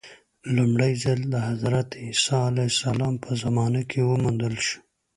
لومړی ځل د حضرت عیسی علیه السلام په زمانه کې وموندل شو.